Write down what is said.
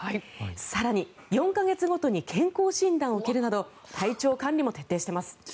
更に、４か月ごとに健康診断を受けるなど体調管理も徹底しています。